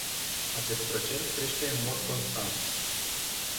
Acest procent crește în mod constant.